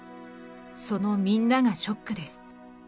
そのみんながショックです。